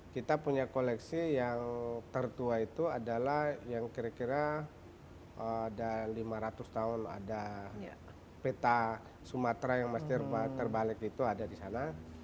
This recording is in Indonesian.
kita punya koleksi yang tertua itu adalah yang kira kira ada lima ratus tahun ada peta sumatera yang masih terbalik itu ada di sana